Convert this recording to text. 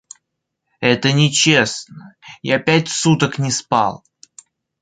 Это нечестно, я пять суток не спал!